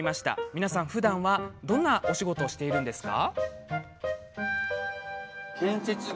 皆さん、ふだんはどんな仕事をしているんですか？